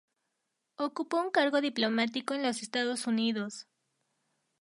Ocupó un cargo diplomático en los Estados Unidos.